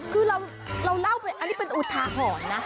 คือเราเล่าเป็นอุทาหอนนะ